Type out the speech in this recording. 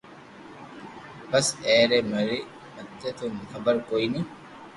بس اي ري مري مني تو حبر ڪوئي ني